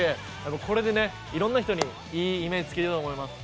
これで、いろんな人にいいイメージつけれたと思います。